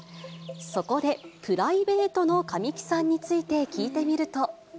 そこで、プライベートの神木さんについて聞いてみると。